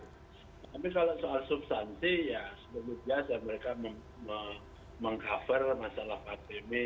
tapi kalau soal substansi ya seperti biasa mereka meng cover masalah pandemi